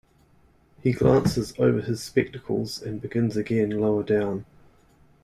He glances over his spectacles and begins again lower down.